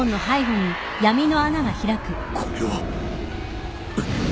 これは！？